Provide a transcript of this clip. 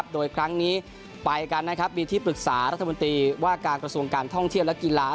โดยครั้งนี้ไปกันมีที่ปรึกษารัฐมนตรีว่าการกระทรวงการท่องเที่ยวและกีฬา